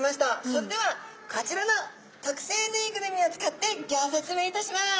それではこちらの特製ぬいぐるみを使ってギョ説明いたします。